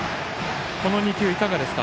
この２球いかがですか？